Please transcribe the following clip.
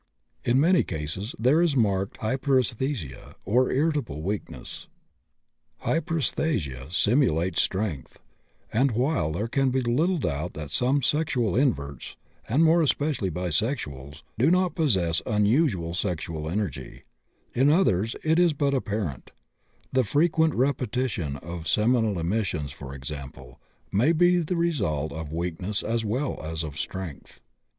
In many cases there is marked hyperesthesia, or irritable weakness. Hyperesthesia simulates strength, and, while there can be little doubt that some sexual inverts (and more especially bisexuals) do possess unusual sexual energy, in others it is but apparent; the frequent repetition of seminal emissions, for example, may be the result of weakness as well as of strength.